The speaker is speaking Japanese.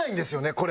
これ。